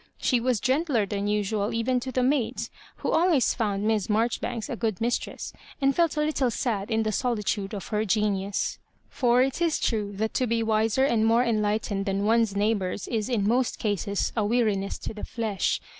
She was gentler than us'aal even to the maids, who always found Miss Marjoribanks a good mistress, and felt a little sad in the solitude of her geniu& For it is true that to be wiser and more enlightened than one's neighbours is in most cases a weariness to the flesh.